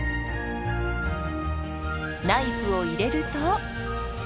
ナイフを入れると。